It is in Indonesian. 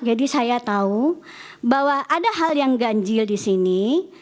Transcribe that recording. jadi saya tahu bahwa ada hal yang ganjil di sini